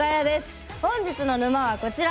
今夜の沼はこちら。